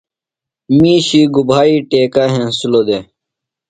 مِیشی گُبھائی ٹیکہ ہنسِلوۡ دےۡ؟